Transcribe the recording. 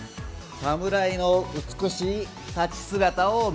侍の美しい立ち姿を目指す。